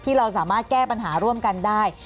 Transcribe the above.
เราสามารถแก้ปัญหาร่วมกันได้